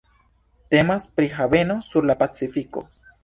Temas pri haveno sur la Pacifiko.